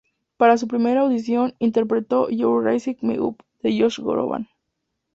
Para su primera audición, interpretó "You Raise Me Up" de Josh Groban.